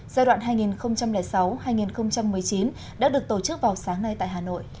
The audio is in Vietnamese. giai đoạn hai nghìn sáu hai nghìn một mươi chín đã được tổ chức vào sáng nay tại hà nội